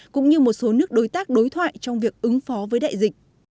cũng như một số nước đối tác đối thoại trong việc ứng phó với đại dịch